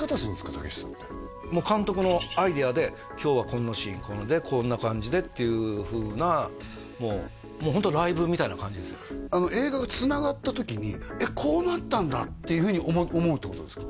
武さんって監督のアイデアで今日はこのシーンこれでこんな感じでっていうふうなもうホント映画がつながった時にえっこうなったんだっていうふうに思うってことですか？